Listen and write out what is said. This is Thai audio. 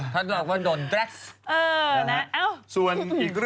แปลว่า๒๙นี่ออกบ่อยมาก